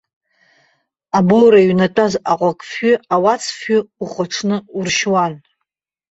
Абоура иҩнатәаз аҟәыкфҩи ауацфҩи ухәаҽны уршьуан.